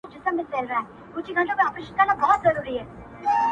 د هیلو تر مزاره مي اجل راته راغلی!.